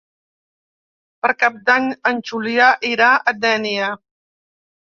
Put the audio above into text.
Per Cap d'Any en Julià irà a Dénia.